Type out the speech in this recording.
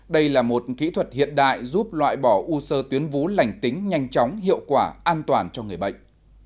đây là một kỹ thuật hiện đại giúp loại bỏ u sơ tuyến vú lành tính nhanh chóng hiệu quả an toàn cho người bệnh